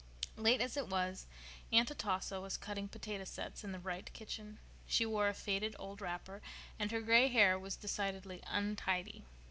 Late as it was Aunt Atossa was cutting potato sets in the Wright kitchen. She wore a faded old wrapper, and her gray hair was decidedly untidy.